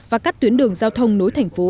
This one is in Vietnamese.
và cắt tuyến đường giao thông nối thành phố